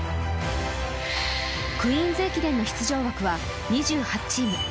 「クイーンズ駅伝」の出場枠は２８チーム。